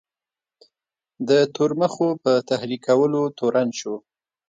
د تورمخو په تحریکولو تورن شو.